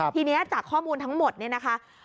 ทีนี้จากข้อมูลทั้งหมดเนี่ยนะคะ